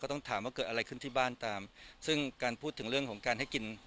ต้องถามว่าเกิดอะไรขึ้นที่บ้านตามซึ่งการพูดถึงเรื่องของการให้กิน